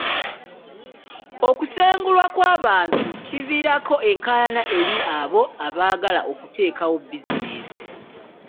Okusengulwa kw'abantu kiviirako enkaayana eri abo abaagala okuteekawo bizinensi.